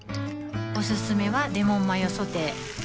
おすすめはレモンマヨソテー